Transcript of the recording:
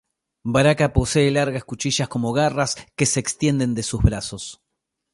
Baraka posee largas cuchillas como garras que se extienden de sus brazos.